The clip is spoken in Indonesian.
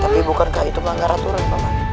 tapi bukan itu menganggara aturan